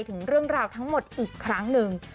ถึงเรื่องราวทั้งหมดอีกครั้งหนึ่ง